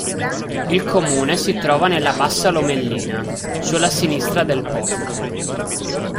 Il comune si trova nella bassa Lomellina, sulla sinistra del Po.